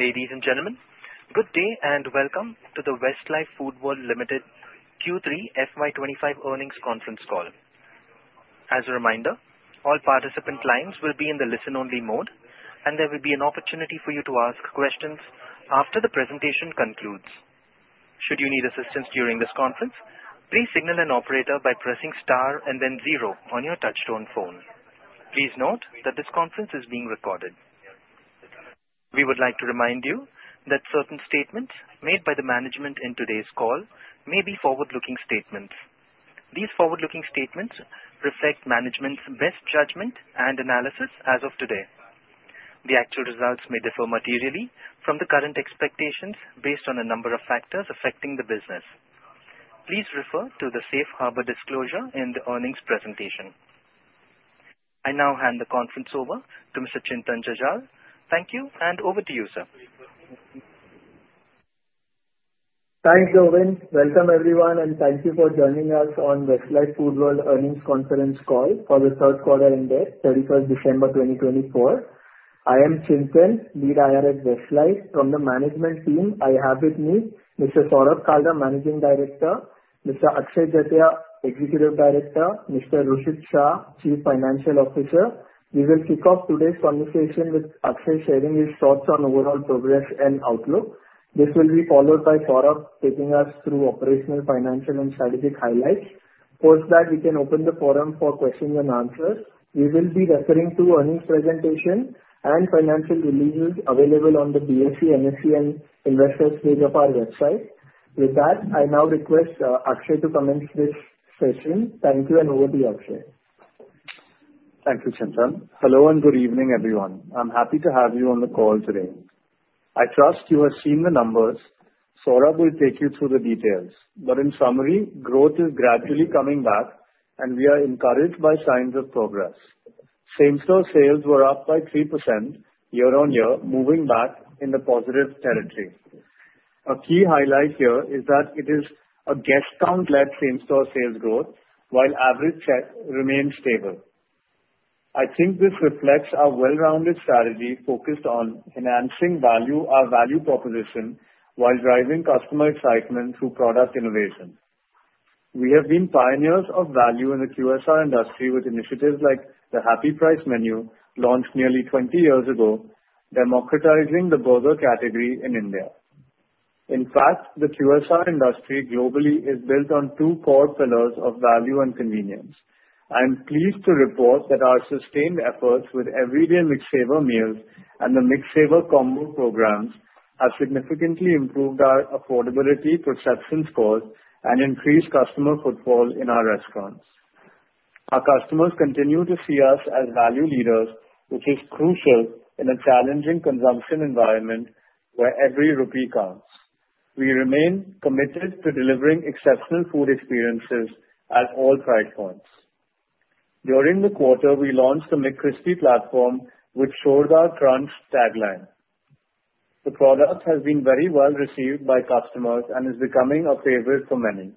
Ladies and gentlemen, good day and welcome to the Westlife Foodworld Limited Q3 FY25 earnings conference call. As a reminder, all participant lines will be in the listen-only mode, and there will be an opportunity for you to ask questions after the presentation concludes. Should you need assistance during this conference, please signal an operator by pressing star and then zero on your touch-tone phone. Please note that this conference is being recorded. We would like to remind you that certain statements made by the management in today's call may be forward-looking statements. These forward-looking statements reflect management's best judgment and analysis as of today. The actual results may differ materially from the current expectations based on a number of factors affecting the business. Please refer to the safe harbor disclosure in the earnings presentation. I now hand the conference over to Mr. Chintan Jajal. Thank you, and over to you, sir. Thanks, Govind. Welcome, everyone, and thank you for joining us on Westlife Foodworld earnings conference call for the third quarter ended 31st December 2024. I am Chintan, Lead IR at Westlife. From the management team, I have with me Mr. Saurabh Kalra, Managing Director. Mr. Akshay Jatia, Executive Director. Mr. Hrushit Shah, Chief Financial Officer. We will kick off today's conversation with Akshay sharing his thoughts on overall progress and outlook. This will be followed by Saurabh taking us through operational, financial, and strategic highlights. Post that, we can open the forum for questions and answers. We will be referring to earnings presentation and financial releases available on the BSE, NSE, and investors' page of our website. With that, I now request Akshay to commence this session. Thank you, and over to you, Akshay. Thank you, Chintan. Hello and good evening, everyone. I'm happy to have you on the call today. I trust you have seen the numbers. Saurabh will take you through the details. But in summary, growth is gradually coming back, and we are encouraged by signs of progress. Same-store sales were up by 3% year-on-year, moving back in the positive territory. A key highlight here is that it is a guest-count-led same-store sales growth, while average remain stable. I think this reflects our well-rounded strategy focused on enhancing our value proposition while driving customer excitement through product innovation. We have been pioneers of value in the QSR industry with initiatives like the Happy Price Menu, launched nearly 20 years ago, democratizing the burger category in India. In fact, the QSR industry globally is built on two core pillars of value and convenience. I am pleased to report that our sustained efforts with everyday McSavers meals and the McSavers combo programs have significantly improved our affordability perceptions scores and increased customer footfall in our restaurants. Our customers continue to see us as value leaders, which is crucial in a challenging consumption environment where every rupee counts. We remain committed to delivering exceptional food experiences at all price points. During the quarter, we launched the McCrispy platform, which shows our crunch tagline. The product has been very well received by customers and is becoming a favorite for many.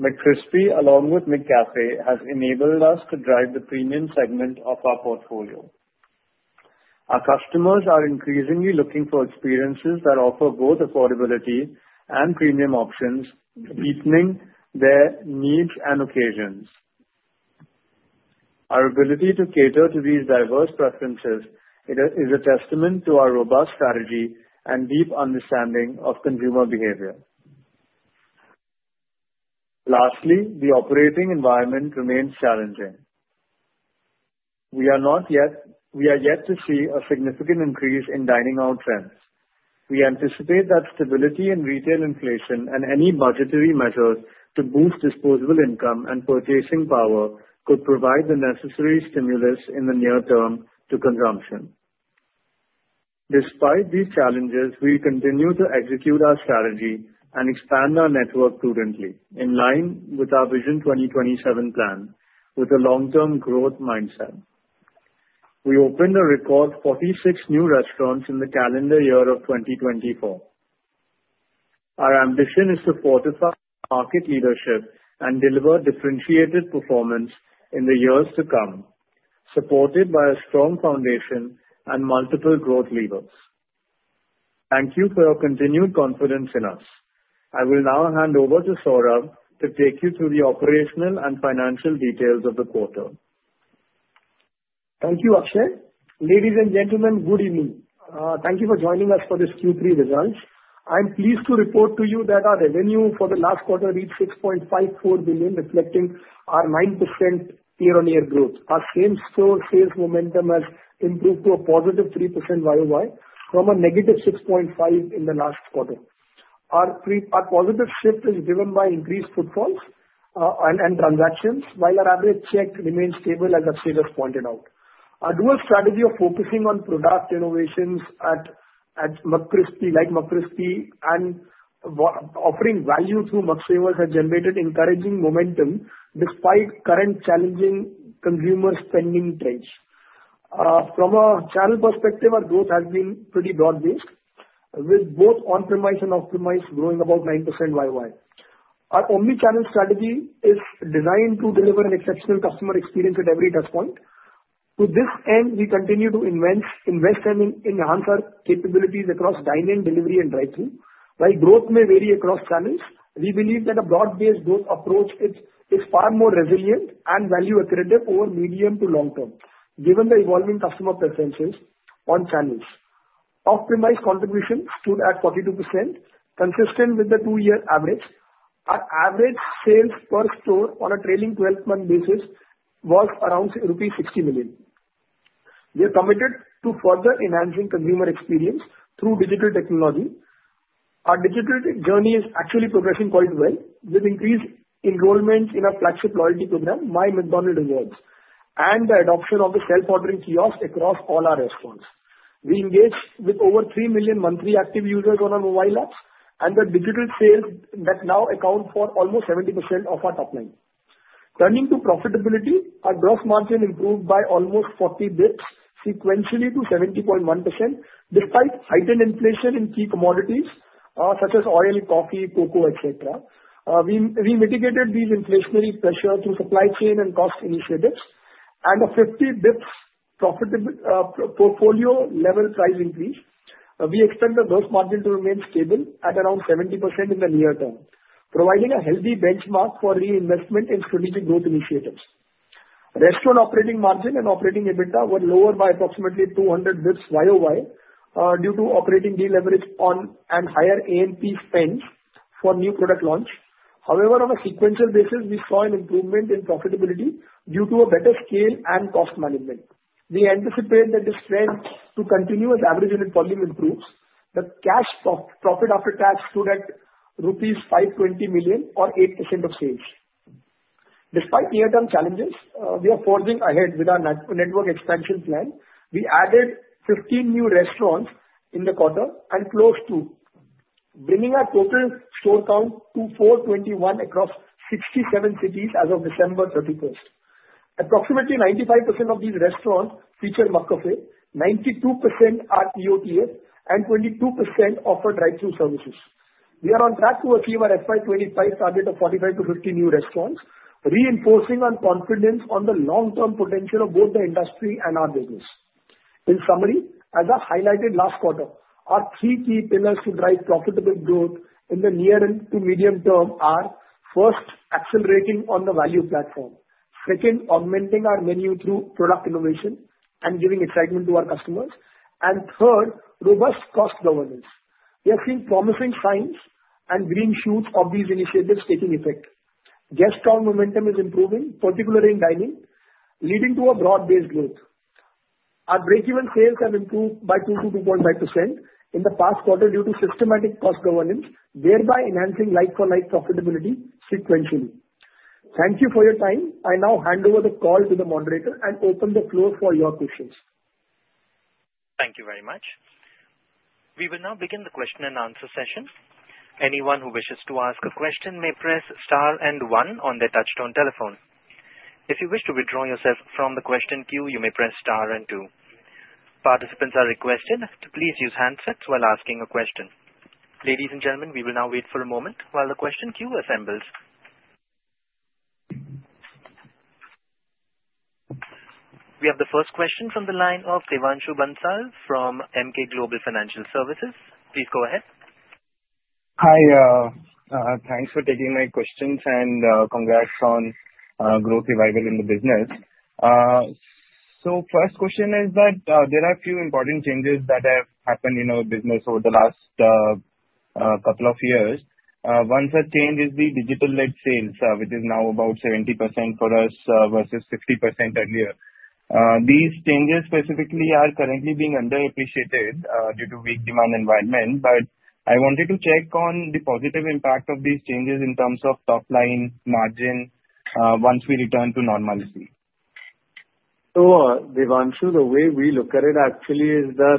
McCrispy, along with McCafe, has enabled us to drive the premium segment of our portfolio. Our customers are increasingly looking for experiences that offer both affordability and premium options, deepening their needs and occasions. Our ability to cater to these diverse preferences is a testament to our robust strategy and deep understanding of consumer behavior. Lastly, the operating environment remains challenging. We are yet to see a significant increase in dining out trends. We anticipate that stability in retail inflation and any budgetary measures to boost disposable income and purchasing power could provide the necessary stimulus in the near term to consumption. Despite these challenges, we continue to execute our strategy and expand our network prudently, in line with our Vision 2027 plan, with a long-term growth mindset. We opened a record 46 new restaurants in the calendar year of 2024. Our ambition is to fortify market leadership and deliver differentiated performance in the years to come, supported by a strong foundation and multiple growth levers. Thank you for your continued confidence in us. I will now hand over to Saurabh to take you through the operational and financial details of the quarter. Thank you, Akshay. Ladies and gentlemen, good evening. Thank you for joining us for this Q3 results. I'm pleased to report to you that our revenue for the last quarter reached 6.54 billion, reflecting our 9% year-on-year growth. Our same-store sales momentum has improved to a positive 3% YOY from a negative 6.5% in the last quarter. Our positive shift is driven by increased footfalls and transactions, while our average check remains stable, as Akshay just pointed out. Our dual strategy of focusing on product innovations at McCrispy and offering value through McSavers has generated encouraging momentum despite current challenging consumer spending trends. From a channel perspective, our growth has been pretty broad-based, with both on-premise and off-premise growing about 9% YOY. Our omnichannel strategy is designed to deliver an exceptional customer experience at every touchpoint. To this end, we continue to invest and enhance our capabilities across dine-in, delivery, and drive-through. While growth may vary across channels, we believe that a broad-based growth approach is far more resilient and value-accretive over medium to long term, given the evolving customer preferences on channels. Off-premise contribution stood at 42%, consistent with the two-year average. Our average sales per store on a trailing 12-month basis was around rupees 60 million. We are committed to further enhancing consumer experience through digital technology. Our digital journey is actually progressing quite well, with increased enrollment in our flagship loyalty program, My McDonald's Rewards, and the adoption of the self-ordering kiosks across all our restaurants. We engage with over 3 million monthly active users on our mobile apps, and the digital sales that now account for almost 70% of our top line. Turning to profitability, our gross margin improved by almost 40 basis points, sequentially to 70.1%, despite heightened inflation in key commodities such as oil, coffee, cocoa, etc. We mitigated these inflationary pressures through supply chain and cost initiatives, and a 50 basis points profitable portfolio-level price increase. We expect the gross margin to remain stable at around 70% in the near term, providing a healthy benchmark for reinvestment in strategic growth initiatives. Restaurant operating margin and operating EBITDA were lower by approximately 200 basis points YOY due to operating deleverage on and higher A&P spends for new product launch. However, on a sequential basis, we saw an improvement in profitability due to a better scale and cost management. We anticipate that this trend to continue as average unit volume improves. The cash profit after tax stood at rupees 520 million, or 8% of sales. Despite near-term challenges, we are forging ahead with our network expansion plan. We added 15 new restaurants in the quarter and close to bringing our total store count to 421 across 67 cities as of December 31st. Approximately 95% of these restaurants feature McCafe, 92% are EOTF, and 22% offer drive-through services. We are on track to achieve our FY25 target of 45-50 new restaurants, reinforcing our confidence on the long-term potential of both the industry and our business. In summary, as I highlighted last quarter, our three key pillars to drive profitable growth in the near and to medium term are: first, accelerating on the value platform; second, augmenting our menu through product innovation and giving excitement to our customers; and third, robust cost governance. We are seeing promising signs and green shoots of these initiatives taking effect. Guest count momentum is improving, particularly in dining, leading to a broad-based growth. Our break-even sales have improved by 2%-2.5% in the past quarter due to systematic cost governance, thereby enhancing like-for-like profitability sequentially. Thank you for your time. I now hand over the call to the moderator and open the floor for your questions. Thank you very much. We will now begin the question and answer session. Anyone who wishes to ask a question may press star and one on their touch-tone telephone. If you wish to withdraw yourself from the question queue, you may press star and two. Participants are requested to please use handsets while asking a question. Ladies and gentlemen, we will now wait for a moment while the question queue assembles. We have the first question from the line of Devanshu Bansal from Emkay Global Financial Services. Please go ahead. Hi. Thanks for taking my questions and congrats on growth revival in the business. So first question is that there are a few important changes that have happened in our business over the last couple of years. One such change is the digital-led sales, which is now about 70% for us versus 50% earlier. These changes specifically are currently being underappreciated due to weak demand environment, but I wanted to check on the positive impact of these changes in terms of top line margin once we return to normality. So Devanshu, the way we look at it actually is that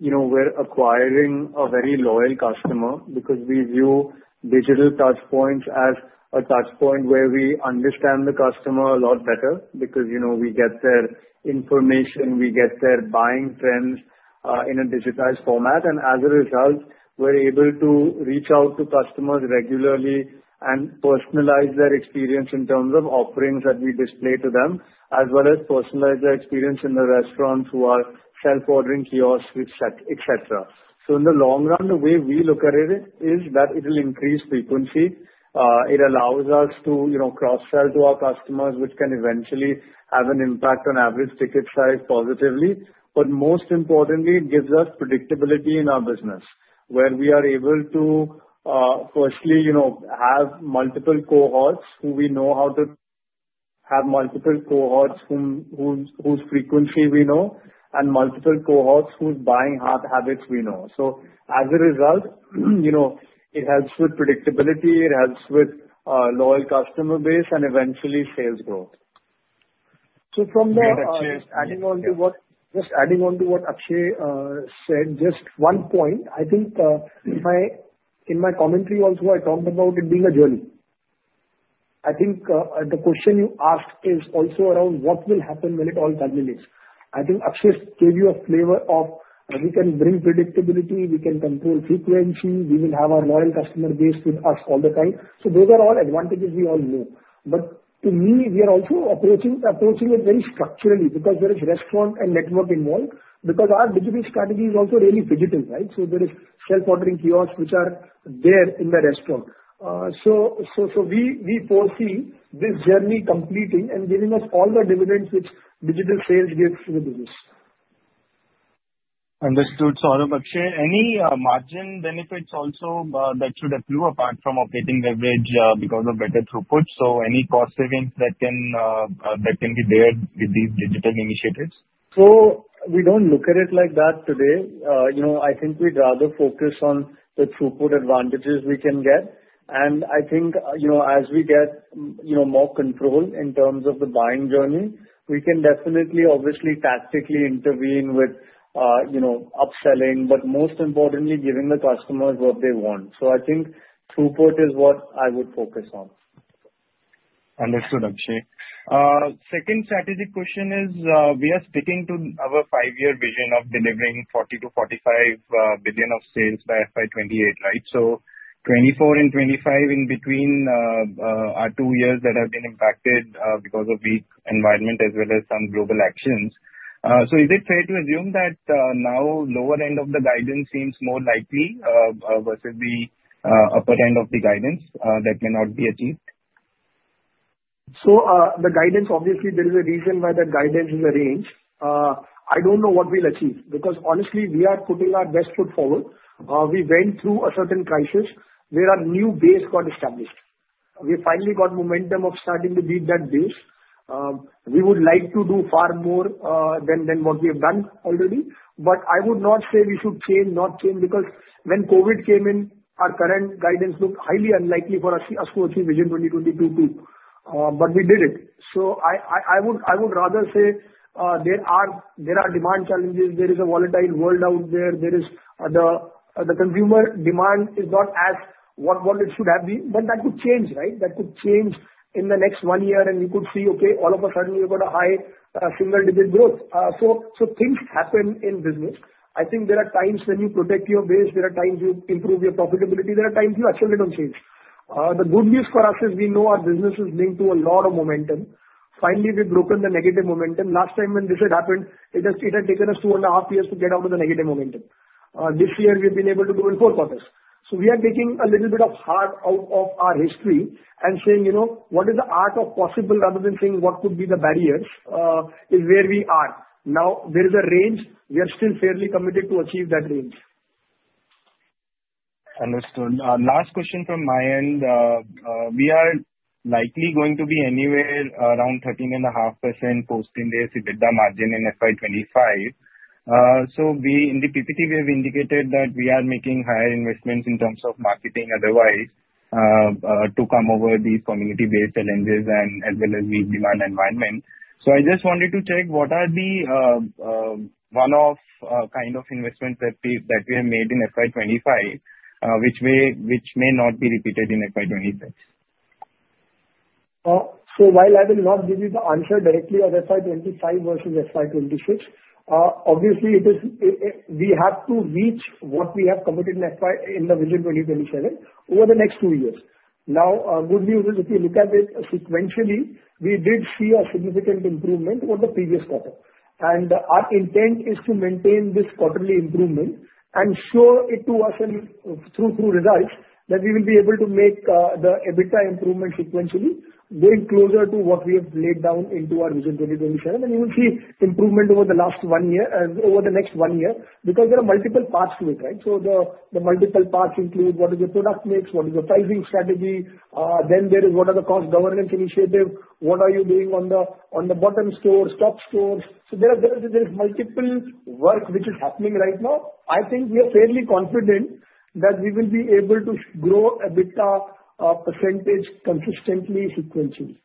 we're acquiring a very loyal customer because we view digital touchpoints as a touchpoint where we understand the customer a lot better because we get their information, we get their buying trends in a digitized format. And as a result, we're able to reach out to customers regularly and personalize their experience in terms of offerings that we display to them, as well as personalize their experience in the restaurants who are self-ordering kiosks, etc. So in the long run, the way we look at it is that it will increase frequency. It allows us to cross-sell to our customers, which can eventually have an impact on average ticket size positively. But most importantly, it gives us predictability in our business, where we are able to firstly have multiple cohorts whose frequency we know and multiple cohorts whose buying habits we know. So as a result, it helps with predictability, it helps with a loyal customer base, and eventually sales growth. So from that, Akshay, just adding on to what Akshay said, just one point. I think in my commentary also, I talked about it being a journey. I think the question you asked is also around what will happen when it all culminates. I think Akshay gave you a flavor of we can bring predictability, we can control frequency, we will have our loyal customer base with us all the time. So those are all advantages we all know. But to me, we are also approaching it very structurally because there is restaurant and network involved. Because our digital strategy is also really digital, right? So there is self-ordering kiosks which are there in the restaurant. So we foresee this journey completing and giving us all the dividends which digital sales gives to the business. Understood. Saurabh, Akshay, any margin benefits also that should accrue apart from operating leverage because of better throughput? So any cost savings that can be there with these digital initiatives? So we don't look at it like that today. I think we'd rather focus on the throughput advantages we can get, and I think as we get more control in terms of the buying journey, we can definitely, obviously, tactically intervene with upselling, but most importantly, giving the customers what they want, so I think throughput is what I would focus on. Understood, Akshay. Second strategic question is we are sticking to our five-year vision of delivering 40 to 45 billion of sales by FY28, right? So 24 and 25 in between are two years that have been impacted because of weak environment as well as some global actions. So is it fair to assume that now lower end of the guidance seems more likely versus the upper end of the guidance that may not be achieved? The guidance, obviously, there is a reason why that guidance is arranged. I don't know what we'll achieve because honestly, we are putting our best foot forward. We went through a certain crisis. There are new base got established. We finally got momentum of starting to beat that base. We would like to do far more than what we have done already. But I would not say we should change, not change because when COVID came in, our current guidance looked highly unlikely for us to achieve Vision 2027 too. But we did it. I would rather say there are demand challenges. There is a volatile world out there. The consumer demand is not as what it should have been. But that could change, right? That could change in the next one year, and you could see, okay, all of a sudden, you've got a high single-digit growth. So things happen in business. I think there are times when you protect your base. There are times you improve your profitability. There are times you actually don't change. The good news for us is we know our business is linked to a lot of momentum. Finally, we've broken the negative momentum. Last time when this had happened, it had taken us two and a half years to get out of the negative momentum. This year, we've been able to do it in four quarters. So we are taking a little bit of heart out of our history and saying, "What is the art of possible?" rather than saying, "What could be the barriers?" is where we are. Now, there is a range. We are still fairly committed to achieve that range. Understood. Last question from my end. We are likely going to be anywhere around 13.5% post-index EBITDA margin in FY25. So in the PPT, we have indicated that we are making higher investments in terms of marketing otherwise to come over these community-based challenges and as well as weak demand environment. So I just wanted to check what are the one-off kind of investments that we have made in FY25, which may not be repeated in FY26? So while I will not give you the answer directly on FY25 versus FY26, obviously, we have to reach what we have committed in the Vision 2027 over the next two years. Now, good news is if you look at it sequentially, we did see a significant improvement over the previous quarter. And our intent is to maintain this quarterly improvement and show it to us through results that we will be able to make the EBITDA improvement sequentially going closer to what we have laid down into our Vision 2027. And you will see improvement over the last one year and over the next one year because there are multiple parts to it, right? So the multiple parts include what is the product mix, what is the pricing strategy. Then there is what are the cost governance initiatives. What are you doing on the bottom stores, top stores? So there is multiple work which is happening right now. I think we are fairly confident that we will be able to grow EBITDA percentage consistently sequentially.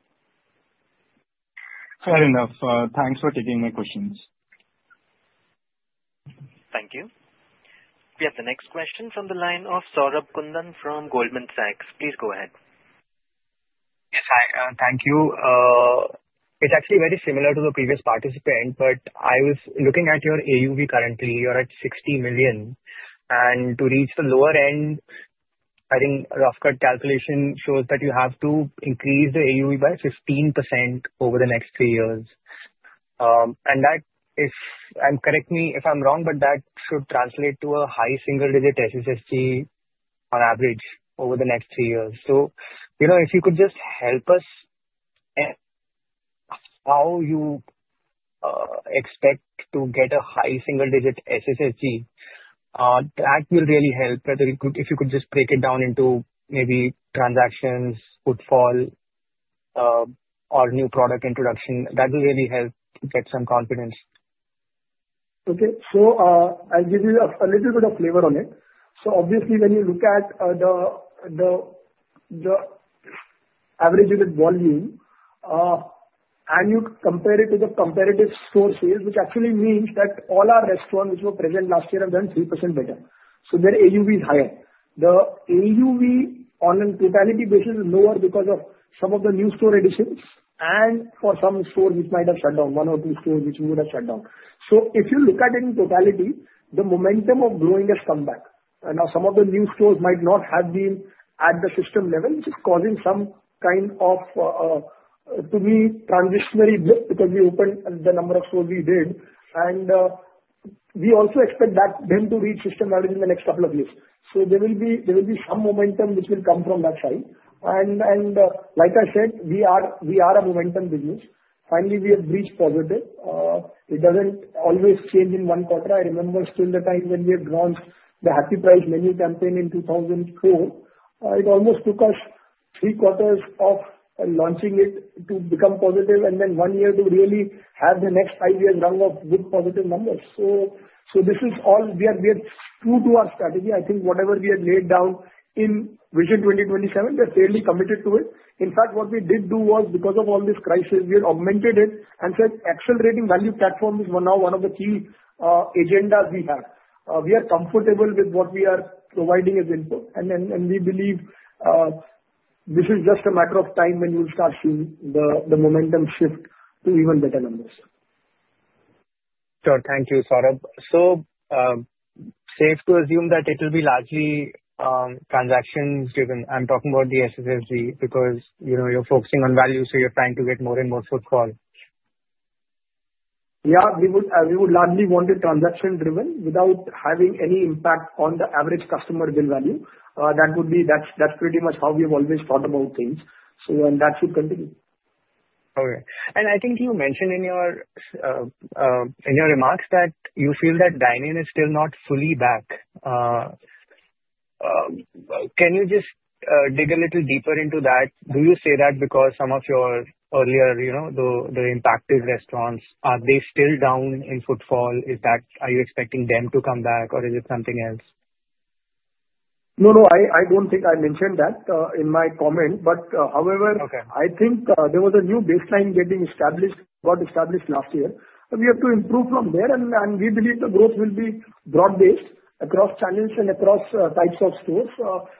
Fair enough. Thanks for taking my questions. Thank you. We have the next question from the line of Saurabh Kundan from Goldman Sachs. Please go ahead. Yes, hi. Thank you. It's actually very similar to the previous participant, but I was looking at your AUV currently. You're at 60 million. And to reach the lower end, I think rough-cut calculation shows that you have to increase the AUV by 15% over the next three years. And correct me if I'm wrong, but that should translate to a high single-digit SSSG on average over the next three years. So if you could just help us how you expect to get a high single-digit SSSG, that will really help. If you could just break it down into maybe transactions, footfall, or new product introduction, that will really help get some confidence. Okay, so I'll give you a little bit of flavor on it, so obviously, when you look at the average unit volume and you compare it to the comparative store sales, which actually means that all our restaurants which were present last year have done 3% better, so their AUV is higher. The AUV on a totality basis is lower because of some of the new store additions and for some stores which might have shut down, one or two stores which would have shut down, so if you look at it in totality, the momentum of growing has come back. Now, some of the new stores might not have been at the system level, which is causing some kind of, to me, transitory dip because we opened the number of stores we did, and we also expect them to reach system level in the next couple of years. So there will be some momentum which will come from that side. And like I said, we are a momentum business. Finally, we have reached positive. It doesn't always change in one quarter. I remember still the time when we had launched the Happy Price Menu campaign in 2004. It almost took us three quarters of launching it to become positive and then one year to really have the next five years running with positive numbers. So this is all we are true to our strategy. I think whatever we had laid down in Vision 2027, we are fairly committed to it. In fact, what we did do was because of all this crisis, we had augmented it and said accelerating value platform is now one of the key agendas we have. We are comfortable with what we are providing as input. We believe this is just a matter of time when you will start seeing the momentum shift to even better numbers. So thank you, Saurabh. So safe to assume that it will be largely transaction-driven. I'm talking about the SSSG because you're focusing on value, so you're trying to get more and more footfall. Yeah, we would largely want it transaction-driven without having any impact on the average customer bill value. That's pretty much how we have always thought about things, so that should continue. Okay. And I think you mentioned in your remarks that you feel that dine-in is still not fully back. Can you just dig a little deeper into that? Do you say that because some of your earlier, the impacted restaurants, are they still down in footfall? Are you expecting them to come back, or is it something else? No, no. I don't think I mentioned that in my comment. But however, I think there was a new baseline getting established, got established last year. We have to improve from there, and we believe the growth will be broad-based across channels and across types of stores.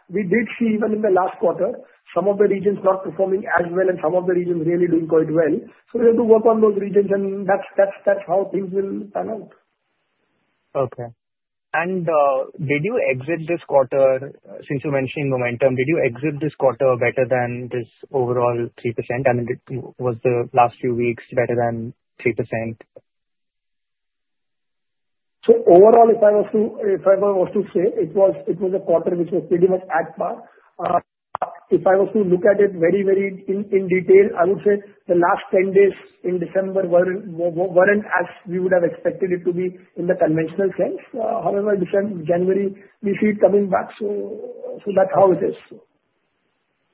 We did see even in the last quarter, some of the regions not performing as well and some of the regions really doing quite well. So we have to work on those regions, and that's how things will pan out. Okay. And did you exit this quarter? Since you mentioned momentum, did you exit this quarter better than this overall 3%? I mean, was the last few weeks better than 3%? So overall, if I was to say, it was a quarter which was pretty much at par. If I was to look at it very, very in detail, I would say the last 10 days in December weren't as we would have expected it to be in the conventional sense. However, this January, we see it coming back. So that's how it is.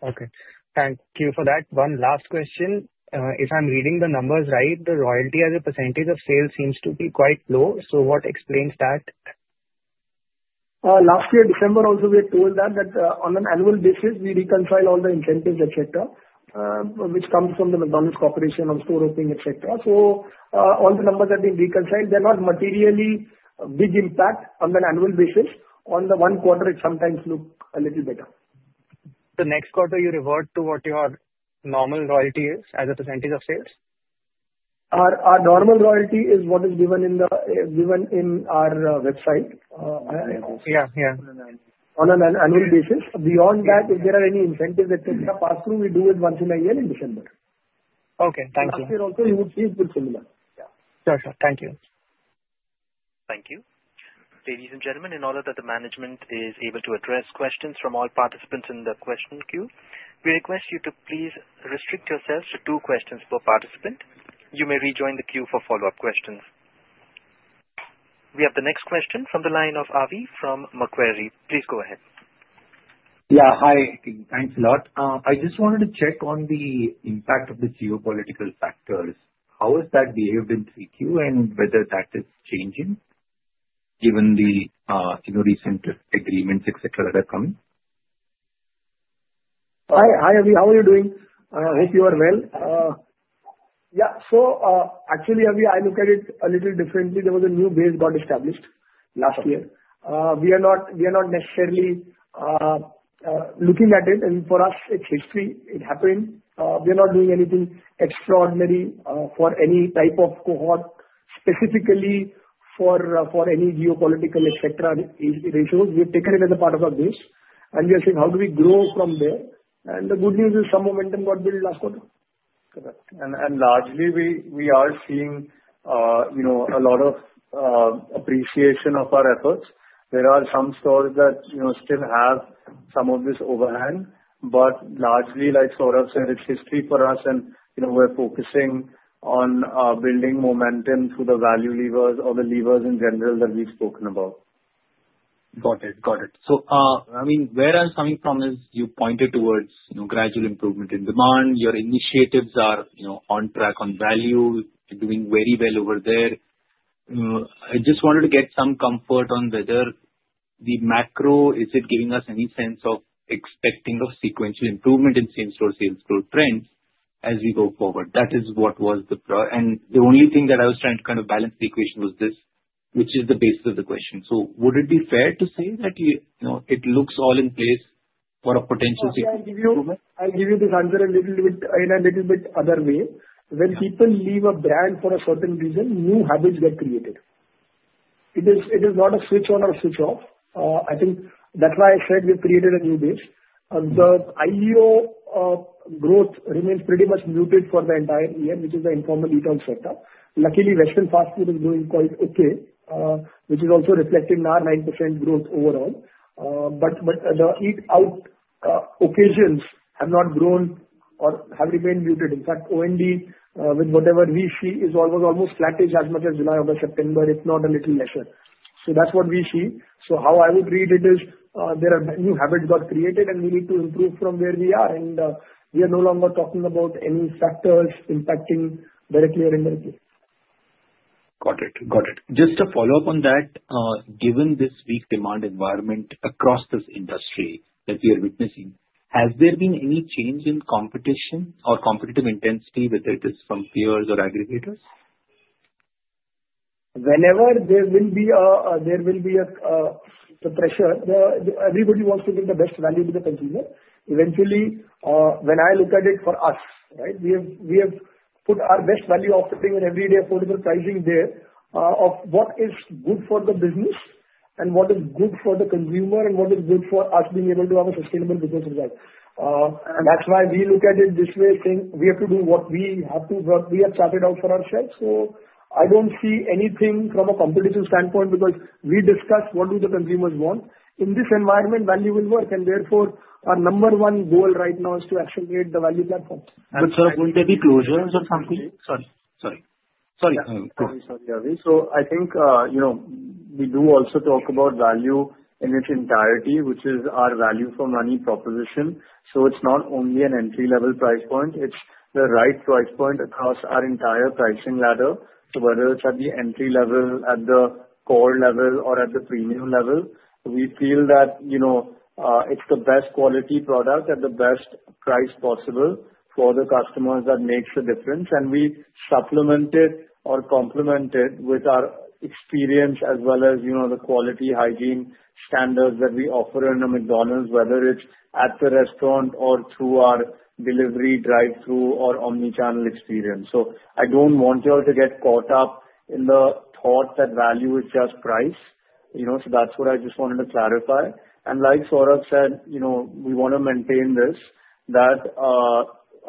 Okay. Thank you for that. One last question. If I'm reading the numbers right, the royalty as a percentage of sales seems to be quite low. So what explains that? Last year, December, also we had told that on an annual basis, we reconcile all the incentives, etc., which comes from the McDonald's Corporation on store opening, etc. So all the numbers have been reconciled. They're not materially big impact on an annual basis. On the one quarter, it sometimes looks a little better. The next quarter, you revert to what your normal royalty is as a percentage of sales? Our normal royalty is what is given in our website. Yeah, yeah. On an annual basis. Beyond that, if there are any incentives that take a pass-through, we do it once in a year in December. Okay. Thank you. Last year also, you would see it look similar. Sure, sure. Thank you. Thank you. Ladies and gentlemen, in order that the management is able to address questions from all participants in the question queue, we request you to please restrict yourselves to two questions per participant. You may rejoin the queue for follow-up questions. We have the next question from the line of Avi from Macquarie. Please go ahead. Yeah. Hi. Thanks a lot. I just wanted to check on the impact of the geopolitical factors. How has that behaved in Q3 and whether that is changing given the recent agreements, etc., that are coming? Hi, Avi. How are you doing? I hope you are well. Yeah. So actually, Avi, I look at it a little differently. There was a new base got established last year. We are not necessarily looking at it, and for us, it's history. It happened. We are not doing anything extraordinary for any type of cohort, specifically for any geopolitical, etc., ratios. We have taken it as a part of our base, and we are saying, "How do we grow from there?" And the good news is some momentum got built last quarter. Correct. And largely, we are seeing a lot of appreciation of our efforts. There are some stores that still have some of this overhang. But largely, like Saurabh said, it's history for us, and we're focusing on building momentum through the value levers or the levers in general that we've spoken about. Got it. Got it. So I mean, where I was coming from is you pointed towards gradual improvement in demand. Your initiatives are on track on value, doing very well over there. I just wanted to get some comfort on whether the macro is it giving us any sense of expecting a sequential improvement in same-store sales growth trends as we go forward? That is what was the - and the only thing that I was trying to kind of balance the equation was this, which is the basis of the question. So would it be fair to say that it looks all in place for a potential sequential improvement? I'll give you this answer in a little bit other way. When people leave a brand for a certain reason, new habits get created. It is not a switch on or a switch off. I think that's why I said we created a new base. The IEO growth remains pretty much muted for the entire year, which is the informal eat-out sector. Luckily, Western fast food is doing quite okay, which is also reflecting our 9% growth overall, but the eat-out occasions have not grown or have remained muted. In fact, OND, with whatever VC, was almost flat as much as July or September, if not a little lesser, so that's what VC, so how I would read it is there are new habits got created, and we need to improve from where we are, and we are no longer talking about any factors impacting directly or indirectly. Got it. Got it. Just to follow up on that, given this weak demand environment across this industry that we are witnessing, has there been any change in competition or competitive intensity, whether it is from peers or aggregators? Whenever there will be a pressure, everybody wants to give the best value to the consumer. Eventually, when I look at it for us, right, we have put our best value offering and everyday affordable pricing there of what is good for the business and what is good for the consumer and what is good for us being able to have a sustainable business as well, and that's why we look at it this way, saying we have to do what we have to, what we have charted out for ourselves, so I don't see anything from a competitive standpoint because we discuss what do the consumers want. In this environment, value will work, and therefore, our number one goal right now is to accelerate the value platform. But Saurabh, will there be closures or something? Sorry. Sorry. Sorry. Sorry, sorry, Avi. So I think we do also talk about value in its entirety, which is our value for money proposition. So it's not only an entry-level price point. It's the right price point across our entire pricing ladder. So whether it's at the entry level, at the core level, or at the premium level, we feel that it's the best quality product at the best price possible for the customers that makes a difference. And we supplement it or complement it with our experience as well as the quality hygiene standards that we offer in a McDonald's, whether it's at the restaurant or through our delivery, drive-through, or omnichannel experience. So I don't want y'all to get caught up in the thought that value is just price. So that's what I just wanted to clarify. And like Saurabh said, we want to maintain this, that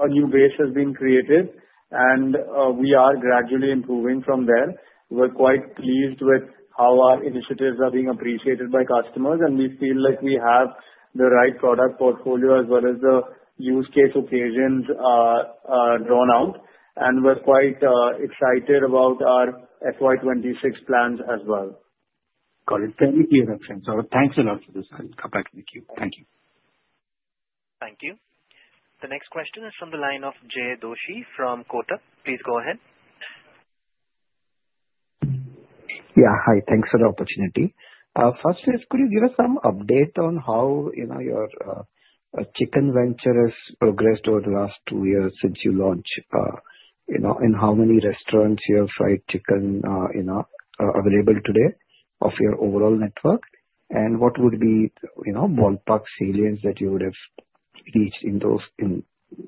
a new base has been created, and we are gradually improving from there. We're quite pleased with how our initiatives are being appreciated by customers, and we feel like we have the right product portfolio as well as the use case occasions drawn out. And we're quite excited about our FY26 plans as well. Got it. Thank you, Saurabh. Thanks a lot for this. I'll come back to the queue. Thank you. Thank you. The next question is from the line of Jay Doshi from Kotak. Please go ahead. Yeah. Hi. Thanks for the opportunity. First is, could you give us some update on how your chicken venture has progressed over the last two years since you launched, and how many restaurants you have fried chicken available today of your overall network, and what would be ballpark salience that you would have reached in those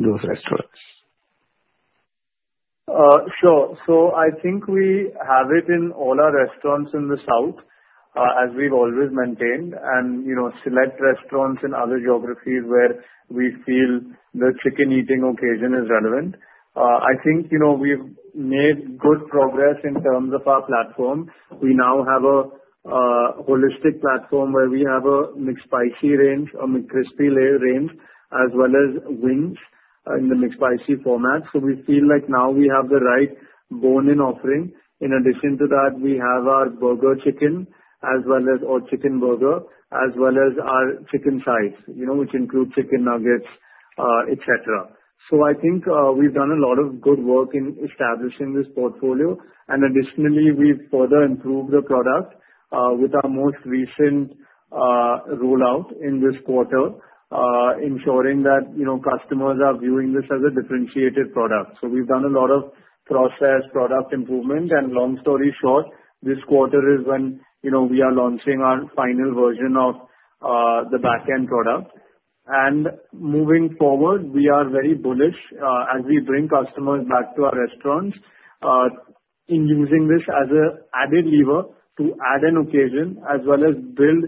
restaurants? Sure. So I think we have it in all our restaurants in the South, as we've always maintained, and select restaurants in other geographies where we feel the chicken eating occasion is relevant. I think we've made good progress in terms of our platform. We now have a holistic platform where we have a mixed spicy range, a crispy layer range, as well as wings in the mixed spicy format. So we feel like now we have the right bone-in offering. In addition to that, we have our burger chicken or chicken burger, as well as our chicken sides, which include chicken nuggets, etc. So I think we've done a lot of good work in establishing this portfolio. And additionally, we've further improved the product with our most recent rollout in this quarter, ensuring that customers are viewing this as a differentiated product. So we've done a lot of processed product improvement. And long story short, this quarter is when we are launching our final version of the back-end product. And moving forward, we are very bullish as we bring customers back to our restaurants in using this as an added lever to add an occasion, as well as build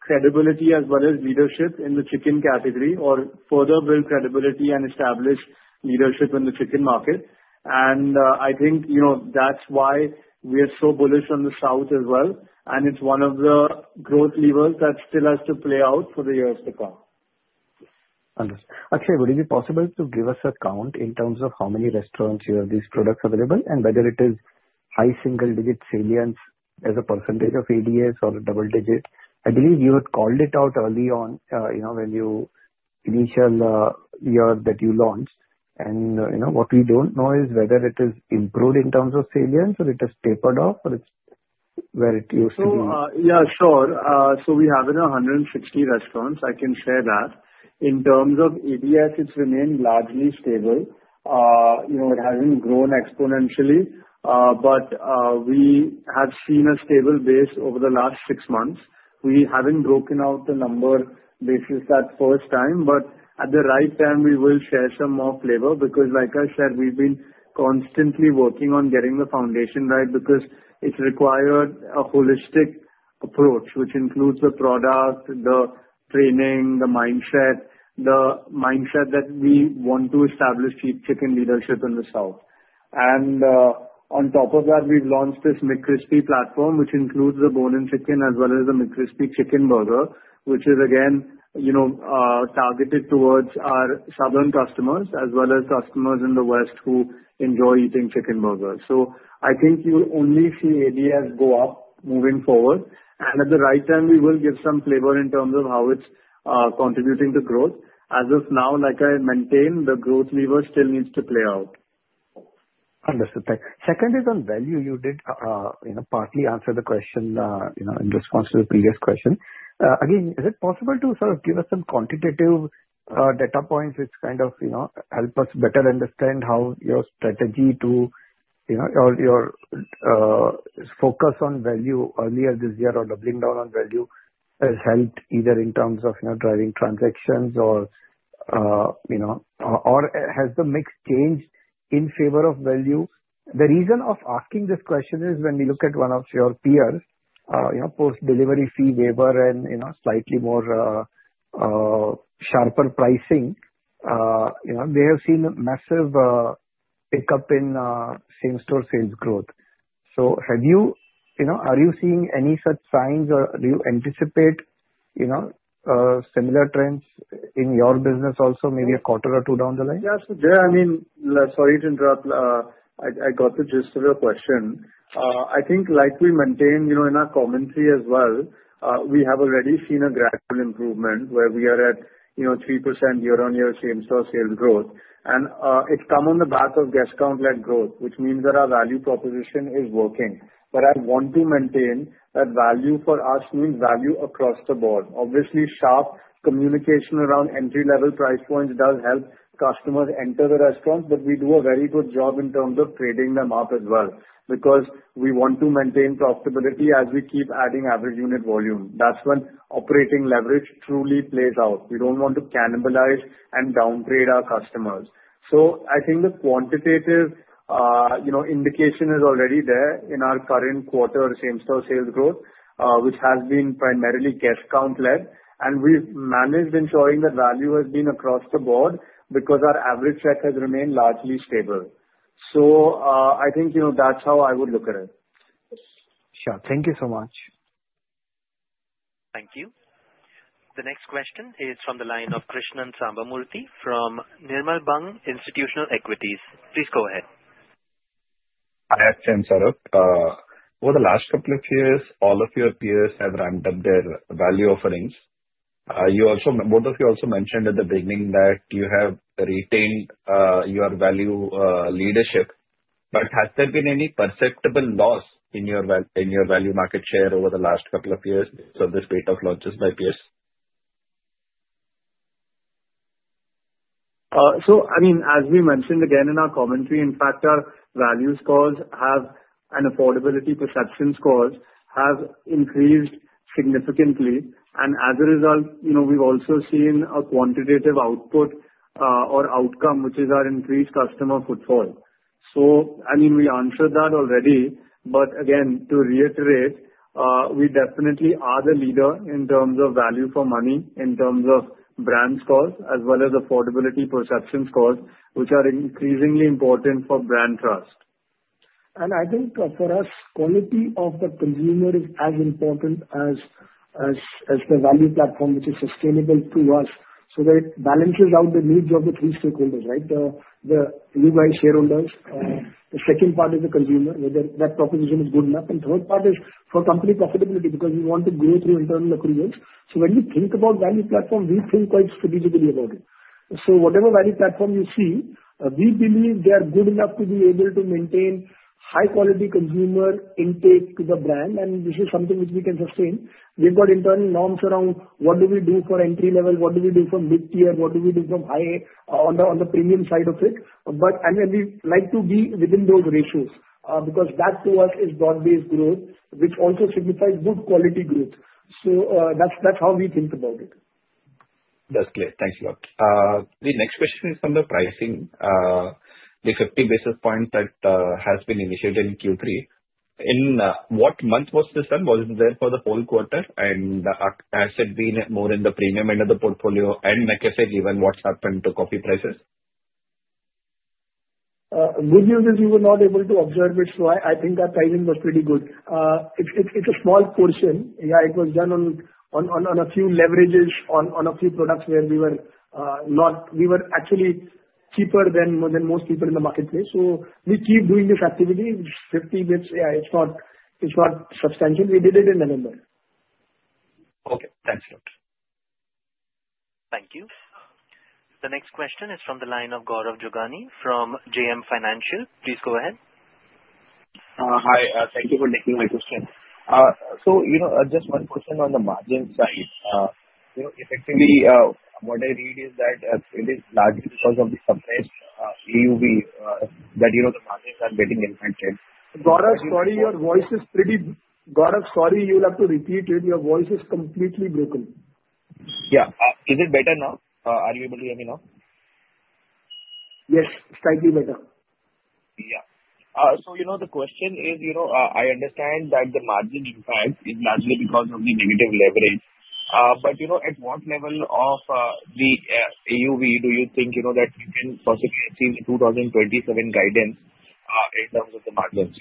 credibility, as well as leadership in the chicken category, or further build credibility and establish leadership in the chicken market. And I think that's why we are so bullish on the South as well. And it's one of the growth levers that still has to play out for the years to come. Understood. Actually, would it be possible to give us a count in terms of how many restaurants you have these products available, and whether it is high single-digit salience as a percentage of ADS or a double-digit? I believe you had called it out early on, when in the initial year that you launched, and what we don't know is whether it has improved in terms of salience or it has tapered off or it's where it used to be. Yeah, sure. So we have it at 160 restaurants. I can share that. In terms of ADS, it's remained largely stable. It hasn't grown exponentially, but we have seen a stable base over the last six months. We haven't broken out the number basis that first time, but at the right time, we will share some more flavor because, like I said, we've been constantly working on getting the foundation right because it requires a holistic approach, which includes the product, the training, the mindset, the mindset to achieve chicken leadership in the South. And on top of that, we've launched this McCrispy platform, which includes the bone-in chicken as well as the McCrispy chicken burger, which is, again, targeted towards our Southern customers as well as customers in the West who enjoy eating chicken burgers. So I think you'll only see ADS go up moving forward. And at the right time, we will give some flavor in terms of how it's contributing to growth. As of now, like I maintained, the growth lever still needs to play out. Understood. Second is on value. You did partly answer the question in response to the previous question. Again, is it possible to sort of give us some quantitative data points which kind of help us better understand how your strategy to your focus on value earlier this year or doubling down on value has helped either in terms of driving transactions or has the mix changed in favor of value? The reason of asking this question is when we look at one of your peers, post-delivery fee waiver and slightly more sharper pricing, they have seen a massive pickup in same-store sales growth. So are you seeing any such signs, or do you anticipate similar trends in your business also, maybe a quarter or two down the line? Yeah, so Jay, I mean, sorry to interrupt. I got to just sort of ask a question. I think, like we maintain in our commentary as well, we have already seen a gradual improvement where we are at 3% year-on-year same-store sales growth, and it's come on the back of guest-count-led growth, which means that our value proposition is working, but I want to maintain that value for us means value across the board. Obviously, sharp communication around entry-level price points does help customers enter the restaurant, but we do a very good job in terms of trading them up as well because we want to maintain profitability as we keep adding average unit volume. That's when operating leverage truly plays out. We don't want to cannibalize and downgrade our customers. So I think the quantitative indication is already there in our current quarter same-store sales growth, which has been primarily guest-count-led. And we've managed ensuring that value has been across the board because our average check has remained largely stable. So I think that's how I would look at it. Sure. Thank you so much. Thank you. The next question is from the line of Krishnan Sambamoorthy from Nirmal Bang Institutional Equities. Please go ahead. Hi, I'm Krishnan Sambamoorthy. Over the last couple of years, all of your peers have ramped up their value offerings. Both of you also mentioned at the beginning that you have retained your value leadership. But has there been any perceptible loss in your value market share over the last couple of years of this rate of launches by peers? So I mean, as we mentioned again in our commentary, in fact, our value scores have, and affordability perception scores have increased significantly. And as a result, we've also seen a quantitative output or outcome, which is our increased customer footfall. So I mean, we answered that already. But again, to reiterate, we definitely are the leader in terms of value for money, in terms of brand scores as well as affordability perception scores, which are increasingly important for brand trust. And I think for us, quality of the consumer is as important as the value platform, which is sustainable to us. So it balances out the needs of the three stakeholders, right? You guys shareholders, the second part is the consumer, whether that proposition is good enough. And third part is for company profitability because we want to grow through internal accruals. So when you think about value platform, we think quite strategically about it. So whatever value platform you see, we believe they are good enough to be able to maintain high-quality consumer intake to the brand. And this is something which we can sustain. We've got internal norms around what do we do for entry-level, what do we do for mid-tier, what do we do on the premium side of it. But we like to be within those ratios because that, to us, is broad-based growth, which also signifies good quality growth. So that's how we think about it. That's clear. Thanks, Saurabh. The next question is from the pricing, the 50 basis points that has been initiated in Q3. In what month was this done? Was it there for the whole quarter? And has it been more in the premium end of the portfolio? And like I said, even what's happened to coffee prices? Good news is we were not able to observe it. So I think that pricing was pretty good. It's a small portion. Yeah, it was done on a few leverages on a few products where we were actually cheaper than most people in the marketplace. So we keep doing this activity. It's 50 basis points. Yeah, it's not substantial. We did it in November. Okay. Thanks, Saurabh. Thank you. The next question is from the line of Gaurav Jogani from JM Financial. Please go ahead. Hi. Thank you for taking my question. So just one question on the margin side. Effectively, what I read is that it is largely because of the surprise AUV that the margins are getting impacted. Gaurav, sorry, your voice is pretty. Gaurav, sorry, you'll have to repeat it. Your voice is completely broken. Yeah. Is it better now? Are you able to hear me now? Yes. Slightly better. Yeah. So the question is, I understand that the margin, in fact, is largely because of the negative leverage. But at what level of the AUV do you think that we can possibly achieve the 2027 guidance in terms of the margins?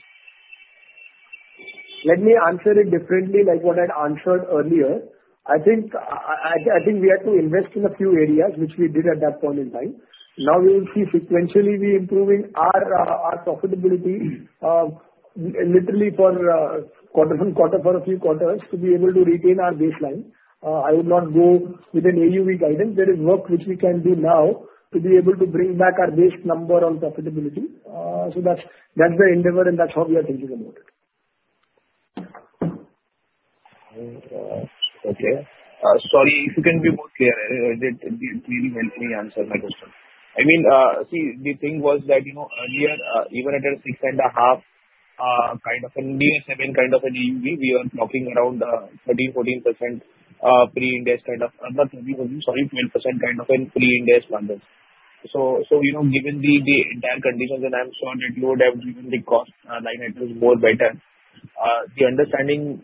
Let me answer it differently. Like what I answered earlier, I think we had to invest in a few areas, which we did at that point in time. Now we will see sequentially we are improving our profitability literally from quarter for a few quarters to be able to retain our baseline. I will not go with an AUV guidance. There is work which we can do now to be able to bring back our base number on profitability. So that's the endeavor, and that's how we are thinking about it. Okay. Sorry, if you can be more clear, please help me answer my question. I mean, see, the thing was that earlier, even at a six and a half kind of a near seven kind of an AUV, we were talking around 13%-14% pre-index kind of, sorry, 12% kind of a pre-index margins. So given the entire conditions, and I'm sure that you would have given the cost line at least more better, the understanding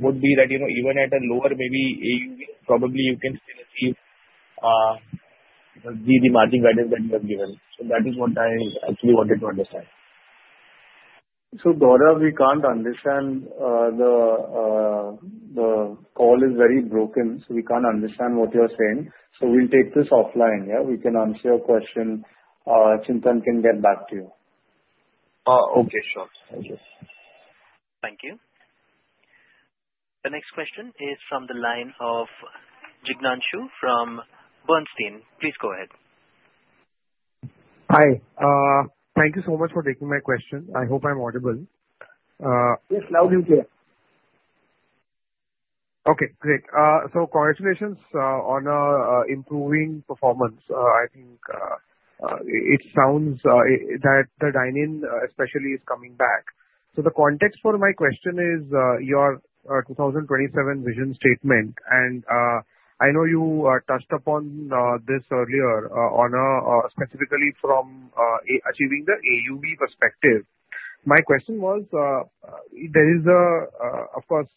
would be that even at a lower maybe AUV, probably you can still achieve the margin guidance that you have given. So that is what I actually wanted to understand. So Gaurav, we can't understand. The call is very broken, so we can't understand what you are saying. So we'll take this offline. Yeah, we can answer your question. Chintan can get back to you. Okay. Sure. Thank you. Thank you. The next question is from the line of Jignesh from Bernstein. Please go ahead. Hi. Thank you so much for taking my question. I hope I'm audible. Yes, loud and clear. Okay. Great. So congratulations on improving performance. I think it sounds that the dine-in, especially, is coming back. So the context for my question is your 2027 vision statement. And I know you touched upon this earlier, specifically from achieving the AUV perspective. My question was, there is, of course,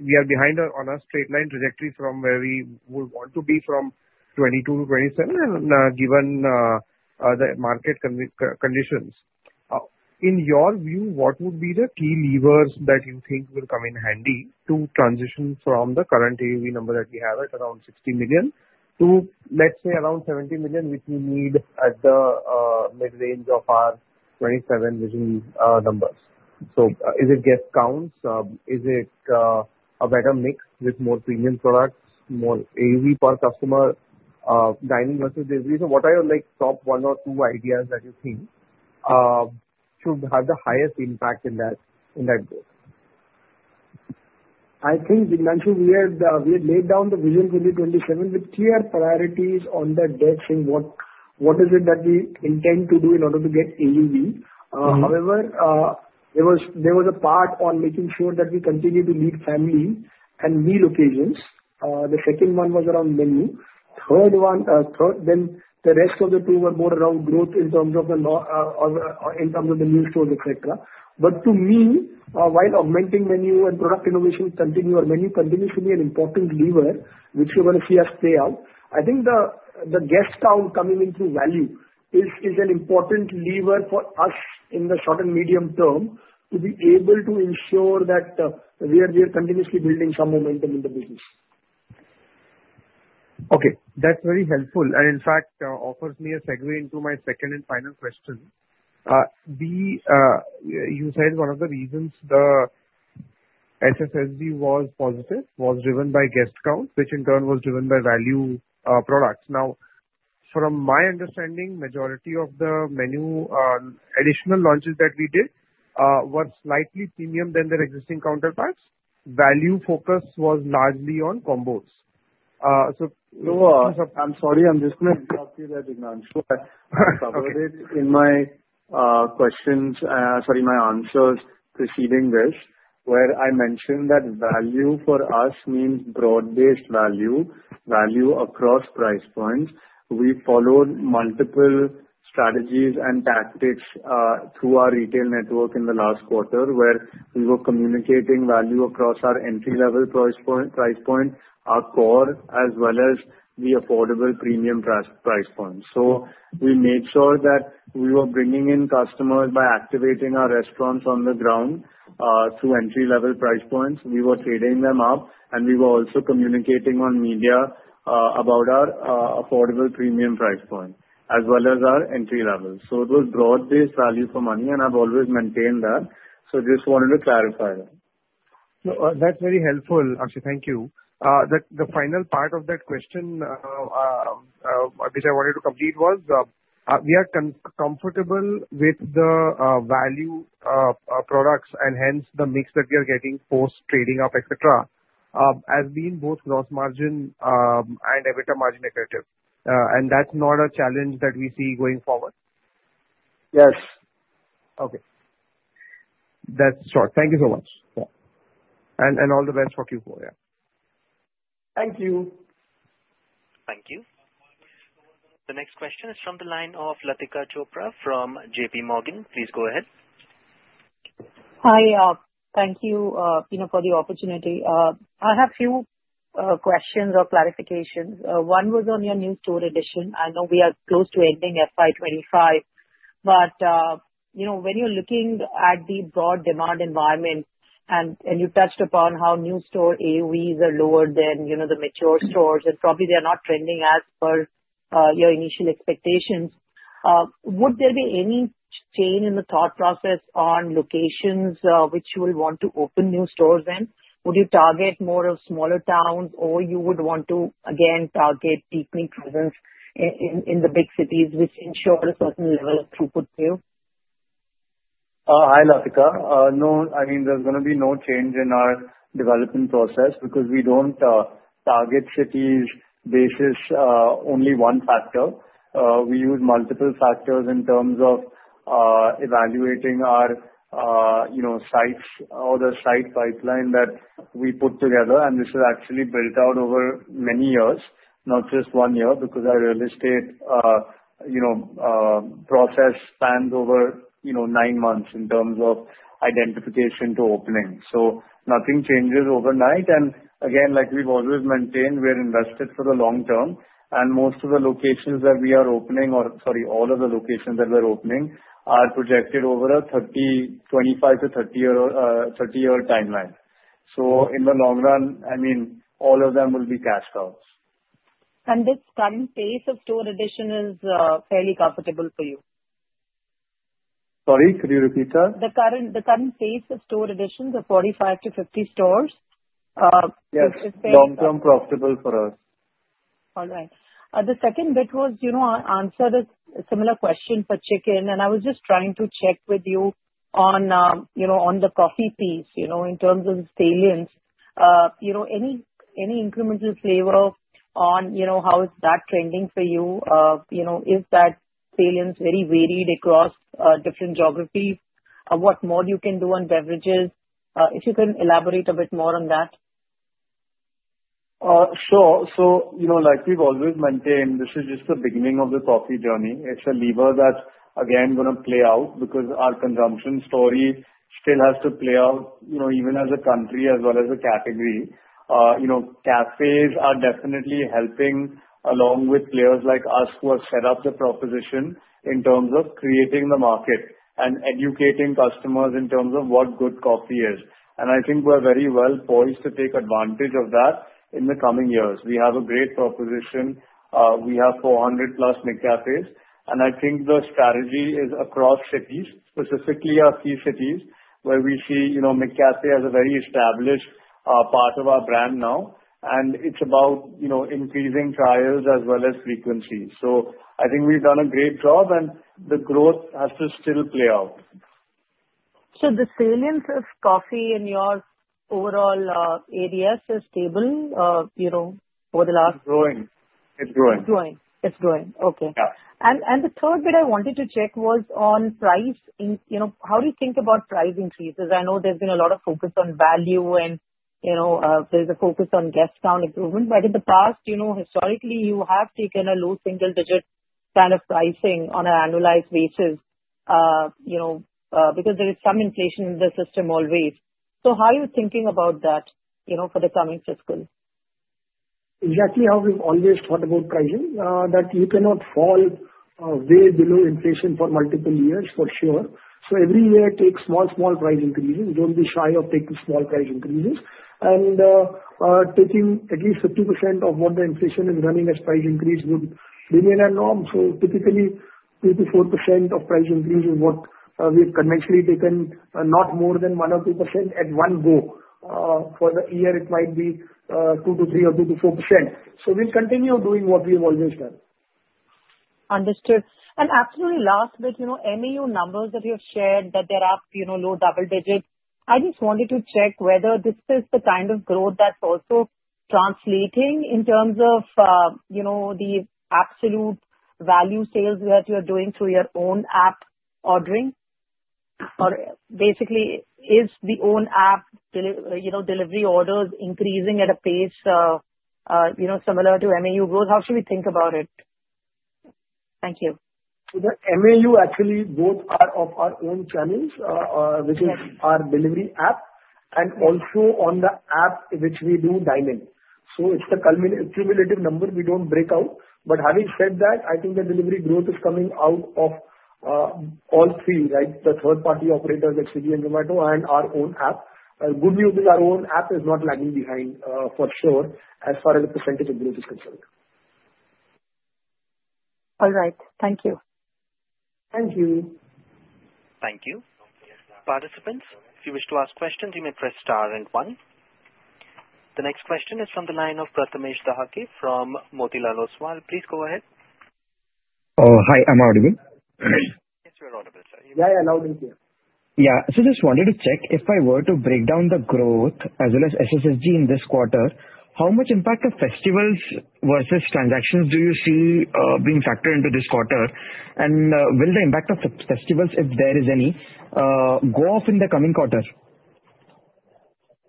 we are behind on a straight-line trajectory from where we would want to be from 22 to 27, given the market conditions. In your view, what would be the key levers that you think will come in handy to transition from the current AUV number that we have at around 60 million to, let's say, around 70 million, which we need at the mid-range of our 27 vision numbers? So is it guest-counts? Is it a better mix with more premium products, more AUV per customer dining versus AUV? What are your top one or two ideas that you think should have the highest impact in that growth? I think, Jignesh, we had laid down the Vision 2027 with clear priorities on the deck and what it is that we intend to do in order to get AUV. However, there was a part on making sure that we continue to lead in family and meal occasions. The second one was around menu. Third one, then the rest of the two were more around growth in terms of the new stores, etc. But to me, while augmenting menu and product innovation continue, or menu continues to be an important lever, which you're going to see us play out, I think the guest count coming in through value is an important lever for us in the short and medium term to be able to ensure that we are continuously building some momentum in the business. Okay. That's very helpful. And in fact, offers me a segue into my second and final question. You said one of the reasons the SSSG was positive was driven by guest counts, which in turn was driven by value products. Now, from my understanding, majority of the menu additional launches that we did were slightly premium than their existing counterparts. Value focus was largely on combos. So. I'm sorry. I'm just going to interrupt you there, Jignesh. I covered it in my questions, sorry, my answers preceding this, where I mentioned that value for us means broad-based value, value across price points. We followed multiple strategies and tactics through our retail network in the last quarter where we were communicating value across our entry-level price point, our core, as well as the affordable premium price points. So we made sure that we were bringing in customers by activating our restaurants on the ground through entry-level price points. We were trading them up, and we were also communicating on media about our affordable premium price point as well as our entry level. So it was broad-based value for money, and I've always maintained that. So I just wanted to clarify that. That's very helpful. Actually, thank you. The final part of that question, which I wanted to complete, was we are comfortable with the value products and hence the mix that we are getting post-trading up, etc., as being both gross margin and EBITDA margin equivalent. And that's not a challenge that we see going forward? Yes. Okay. That's short. Thank you so much, and all the best for Q4. Yeah. Thank you. Thank you. The next question is from the line of Latika Chopra from JPMorgan. Please go ahead. Hi. Thank you for the opportunity. I have a few questions or clarifications. One was on your new store addition. I know we are close to ending FY25, but when you're looking at the broad demand environment, and you touched upon how new store AUVs are lower than the mature stores, and probably they are not trending as per your initial expectations, would there be any change in the thought process on locations which you will want to open new stores in? Would you target more of smaller towns, or you would want to, again, target deepening presence in the big cities, which ensure a certain level of throughput to you? Hi, Latika. No. I mean, there's going to be no change in our development process because we don't target cities based on only one factor. We use multiple factors in terms of evaluating our sites or the site pipeline that we put together. And this is actually built out over many years, not just one year, because our real estate process spans over nine months in terms of identification to opening. So nothing changes overnight. And again, like we've always maintained, we're invested for the long term. And most of the locations that we are opening, or sorry, all of the locations that we're opening, are projected over a 25-30-year timeline. So in the long run, I mean, all of them will be cash cows. This current phase of store addition is fairly profitable for you? Sorry? Could you repeat that? The current phase of store addition, the 45-50 stores, is fairly profitable? Yes. Long-term profitable for us. All right. The second bit was I answered a similar question for Chintan, and I was just trying to check with you on the coffee piece in terms of salience. Any incremental flavor on how is that trending for you? Is that salience very varied across different geographies? What more you can do on beverages? If you can elaborate a bit more on that. Sure. So like we've always maintained, this is just the beginning of the coffee journey. It's a lever that's, again, going to play out because our consumption story still has to play out even as a country as well as a category. Cafes are definitely helping along with players like us who have set up the proposition in terms of creating the market and educating customers in terms of what good coffee is. And I think we're very well poised to take advantage of that in the coming years. We have a great proposition. We have 400-plus McCafes. And I think the strategy is across cities, specifically our key cities, where we see McCafe as a very established part of our brand now. And it's about increasing trials as well as frequencies. So I think we've done a great job, and the growth has to still play out. So the salience of coffee in your overall areas is stable over the last? It's growing. It's growing. It's growing. It's growing. Okay. And the third bit I wanted to check was on price. How do you think about price increases? I know there's been a lot of focus on value, and there's a focus on guest-count improvement. But in the past, historically, you have taken a low single-digit kind of pricing on an annualized basis because there is some inflation in the system always. So how are you thinking about that for the coming fiscal? Exactly how we've always thought about pricing, that you cannot fall way below inflation for multiple years, for sure. So every year, take small, small price increases. Don't be shy of taking small price increases. And taking at least 50% of what the inflation is running as price increase would remain at norm. So typically, 2%-4% price increase is what we have conventionally taken, not more than 1-2% at one go. For the year, it might be 2-3% or 2-4%. So we'll continue doing what we have always done. Understood. And absolutely, last bit, any new numbers that you have shared that there are low double digits? I just wanted to check whether this is the kind of growth that's also translating in terms of the absolute value sales that you're doing through your own app ordering? Or basically, is the own app delivery orders increasing at a pace similar to MAU growth? How should we think about it? Thank you. MAU, actually both are of our own channels, which is our delivery app and also on the app, which we do dine-in. So it's the cumulative number. We don't break out. But having said that, I think the delivery growth is coming out of all three, right? The third-party operator, which is Swiggy and Zomato, and our own app. The good news is our own app is not lagging behind, for sure, as far as the percentage of growth is concerned. All right. Thank you. Thank you. Thank you. Participants, if you wish to ask questions, you may press star and one. The next question is from the line of Prathamesh Dahake from Motilal Oswal. Please go ahead. Hi. I'm audible. Yes, you're audible, sir. Yeah, yeah. Now I can hear you. Yeah. So just wanted to check if I were to break down the growth as well as SSSG in this quarter, how much impact of festivals versus transactions do you see being factored into this quarter? And will the impact of festivals, if there is any, go off in the coming quarter?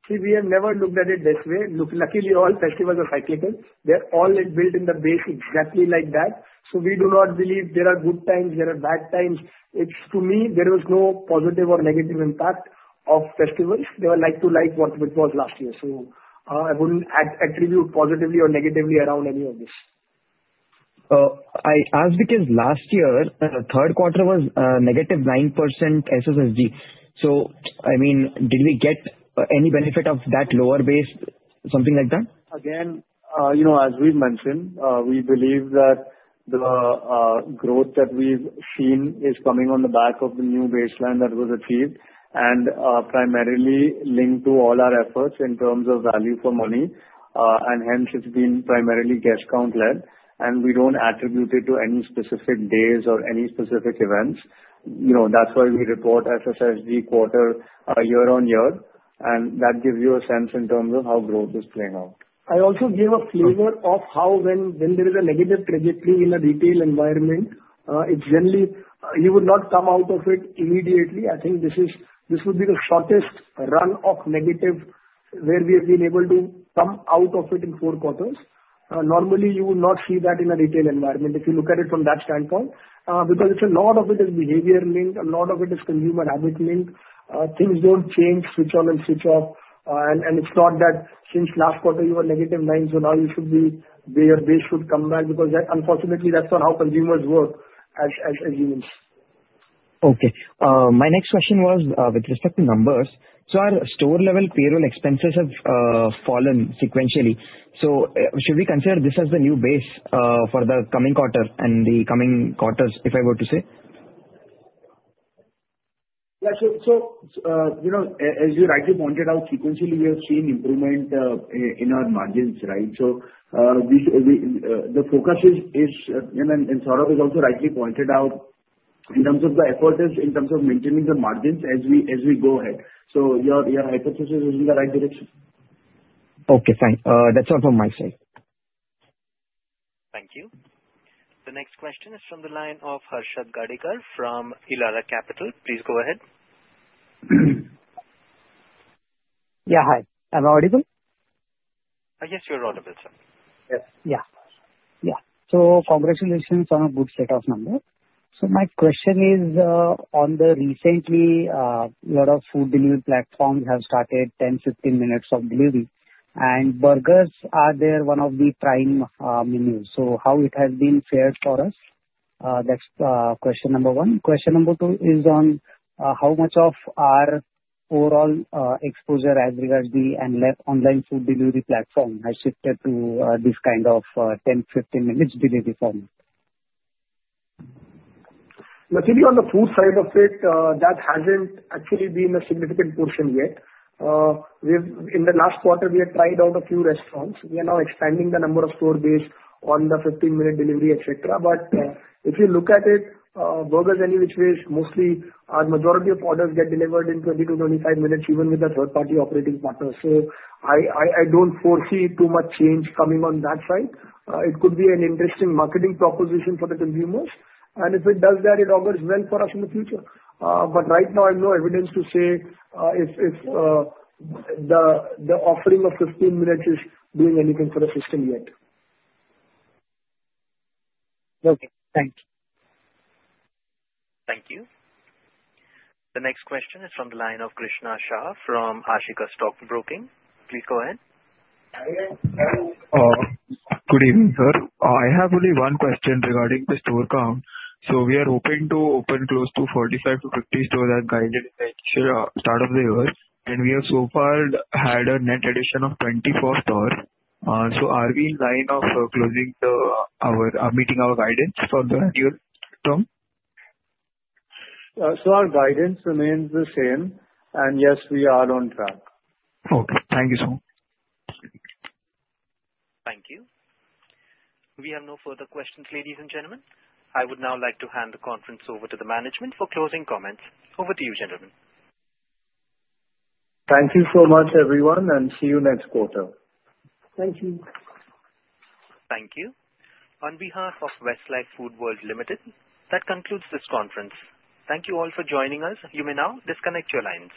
See, we have never looked at it this way. Luckily, all festivals are cyclical. They're all built in the base exactly like that. So we do not believe there are good times. There are bad times. To me, there was no positive or negative impact of festivals. They were like to like what it was last year. So I wouldn't attribute positively or negatively around any of this. I asked because last year, third quarter was negative 9% SSSG. So I mean, did we get any benefit of that lower base, something like that? Again, as we've mentioned, we believe that the growth that we've seen is coming on the back of the new baseline that was achieved and primarily linked to all our efforts in terms of value for money. And hence, it's been primarily guest-count led. And we don't attribute it to any specific days or any specific events. That's why we report SSSG quarter year on year. And that gives you a sense in terms of how growth is playing out. I also gave a flavor of how when there is a negative trajectory in a retail environment, it's generally you would not come out of it immediately. I think this would be the shortest run of negative where we have been able to come out of it in four quarters. Normally, you would not see that in a retail environment if you look at it from that standpoint because a lot of it is behavior linked. A lot of it is consumer habit linked. Things don't change, switch on and switch off, and it's not that since last quarter, you were negative 9%, so now you should be where they should come back because unfortunately, that's not how consumers work as humans. Okay. My next question was with respect to numbers. So our store-level payroll expenses have fallen sequentially. So should we consider this as the new base for the coming quarter and the coming quarters, if I were to say? Yeah. So as you rightly pointed out, sequentially, we have seen improvement in our margins, right? So the focus is, and Saurabh has also rightly pointed out, in terms of the effort is in terms of maintaining the margins as we go ahead. So your hypothesis is in the right direction. Okay. Thanks. That's all from my side. Thank you. The next question is from the line of Harshad Katkar from Elara Capital. Please go ahead. Yeah. Hi. Am I audible? Yes, you're audible, sir. Yes. Yeah. Yeah, so congratulations on a good set of numbers. So my question is, on the recently, a lot of food delivery platforms have started 10-15 minutes of delivery. And burgers are there one of the prime menus. So how it has been fared for us? That's question number one. Question number two is on how much of our overall exposure as regards the online food delivery platform has shifted to this kind of 10-15 minutes delivery form? Look, if you're on the food side of it, that hasn't actually been a significant portion yet. In the last quarter, we had tried out a few restaurants. We are now expanding the number of stores based on the 15-minute delivery, etc., but if you look at it, burgers, any which ways, mostly our majority of orders get delivered in 20 to 25 minutes, even with a third-party operating partner, so I don't foresee too much change coming on that side. It could be an interesting marketing proposition for the consumers, and if it does that, it augurs well for us in the future, but right now, I have no evidence to say if the offering of 15 minutes is doing anything for the system yet. Okay. Thanks. Thank you. The next question is from the line of Krisha Shah from Ashika Stock Broking. Please go ahead. Good evening, sir. I have only one question regarding the store count. So we are hoping to open close to 45-50 stores as guided at the start of the year. And we have so far had a net addition of 24 stores. So are we in line with closing the year meeting our guidance for the year? So our guidance remains the same. And yes, we are on track. Okay. Thank you so much. Thank you. We have no further questions, ladies and gentlemen. I would now like to hand the conference over to the management for closing comments. Over to you, gentlemen. Thank you so much, everyone, and see you next quarter. Thank you. Thank you. On behalf of Westlife Foodworld Limited, that concludes this conference. Thank you all for joining us. You may now disconnect your lines.